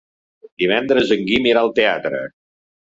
Divendres en Guim irà al teatre.